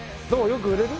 よく売れる？